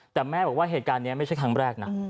แต่แม่บอกว่าเหตุการณ์นี้ไม่ใช่ครั้งแรกนะ